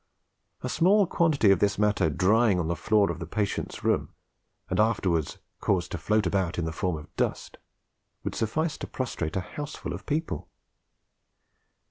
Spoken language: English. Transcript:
A small quantity of this matter drying on the floor of the patient's room, and afterwards caused to float about in the form of dust, would suffice to prostrate a houseful of people.